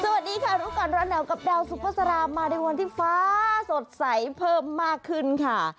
สวัสดีค่ะรู้ก่อนร้อนหนาวกับดาวสุภาษามาในวันที่ฟ้าสดใสเพิ่มมากขึ้นค่ะ